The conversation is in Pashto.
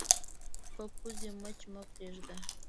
په پوزې مچ مه پرېږده